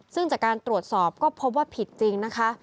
ซึ่งจากการตรวจสอบก็พบว่าผิดจริงนะคะ